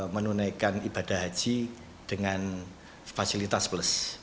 menunaikan ibadah haji dengan fasilitas plus